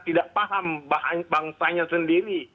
tidak paham bahan bahannya sendiri